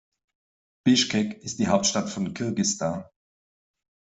Bischkek ist die Hauptstadt von Kirgisistan.